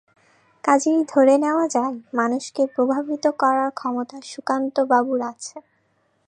কাজেই ধরে নেওয়া যায়, মানুষকে প্রভাবিত করার ক্ষমতা সুধাকান্তবাবুর আছে।